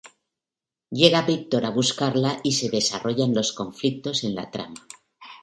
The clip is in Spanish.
Llega Víctor a buscarla y se desarrollan los conflictos en la trama.